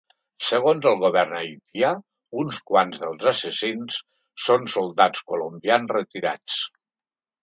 Segons el govern haitià, uns quants dels assassins són soldats colombians retirats.